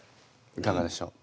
いかがでしょう？